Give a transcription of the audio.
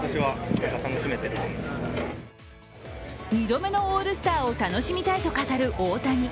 ２度目のオールスターを楽しみたいと語る大谷。